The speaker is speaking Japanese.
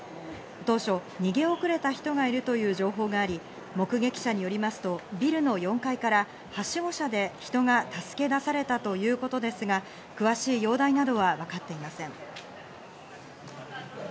当初、逃げ遅れた人がいるという情報があり、目撃者によりますと、ビルの４階からはしご車で人が助け出されたということですが、詳しい容体などは分かっていません。